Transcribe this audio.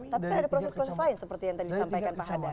tapi ada proses proses lain seperti yang tadi disampaikan pak hadar